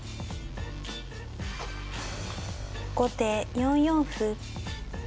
後手４四歩。